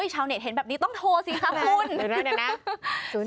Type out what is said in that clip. ชาวเน็ตเห็นแบบนี้ต้องโทรสิคะคุณ